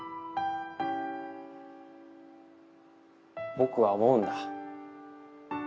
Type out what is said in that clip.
僕は思うんだ。